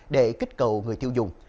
để kích cầu người tiêu dùng